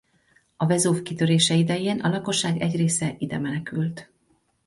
A Vezúv kitörése idején a lakosság egy része ide menekült.